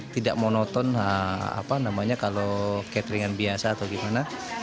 tidak monoton kalau cateringan biasa atau gimana